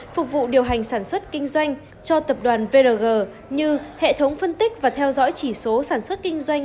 phục vụ điều hành sản xuất kinh doanh cho tập đoàn vrg như hệ thống phân tích và theo dõi chỉ số sản xuất kinh doanh